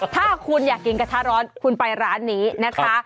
ถ้าคุณอยากกินกระทะร้อนคุณไปร้านนี้นะคะ